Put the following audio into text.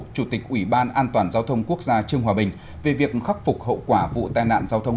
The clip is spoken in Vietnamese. chủ tịch ủy ban an toàn giao thông quốc gia trương hòa bình về việc khắc phục hậu quả vụ tai nạn giao thông